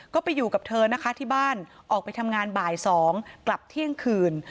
ก็ไปอยู่กับเธอนะคะที่บ้านออกไปทำงานบ่าย๒กลับเที่ยงคืน